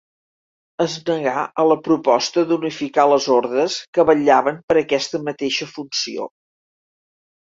Es negà a la proposta d'unificar les ordes que vetllaven per aquesta mateixa funció.